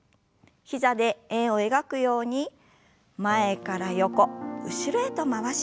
膝で円を描くように前から横後ろへと回しましょう。